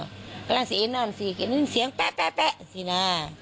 ก็เล่าเขาหัวสิเอ็นนอนสิกินกันเสียงแป๊ะสี่นา